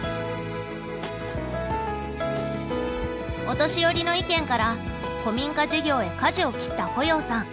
お年寄りの意見から古民家事業へ舵を切った保要さん。